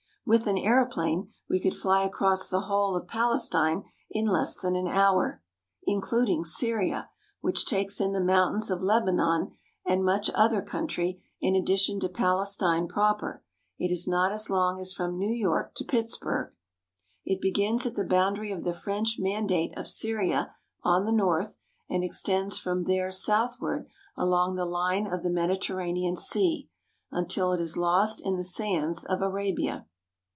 With an aeroplane we could fly across the whole of Palestine in less than an hour. In FROM DAN TO BEERSHEBA eluding Syria, which takes in the mountains of Lebanon and much other country in addition to Palestine proper, it is not as long as from New York to Pittsburgh. It begins at the boundary of the French Mandate of Syria on the north, and extends from there southward along the line of the Mediterranean Sea until it is lost in the sands of Arabia.